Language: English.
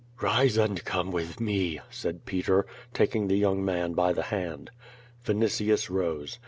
"Rise and come with me," said Peter, taking the young man by the hand. Vinitius rose.